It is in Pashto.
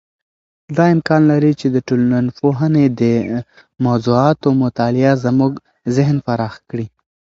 دا امکان لري چې د ټولنپوهنې د موضوعاتو مطالعه زموږ ذهن پراخ کړي.